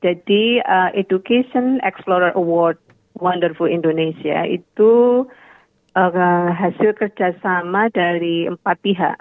jadi education explorer award wonderful indonesia itu hasil kerjasama dari empat pihak